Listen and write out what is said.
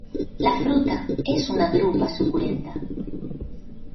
La fruta es una drupa suculenta.